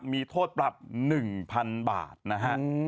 มีโทษปรับ๑๐๐๐บาทนะฮะ